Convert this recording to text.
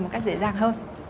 một cách dễ dàng hơn